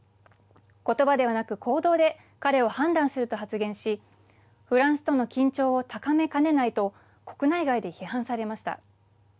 言葉ではなく行動で彼を判断すると発言しフランスとの緊張を高めかねないと国内外で批判されました。